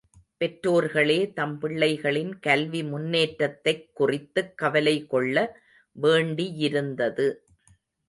பெற்றோர்களே தம் பிள்ளைகளின் கல்வி முன்னேற்றத்தைக் குறித்துக் கவலைகொள்ள வேண்டியிருந்தது.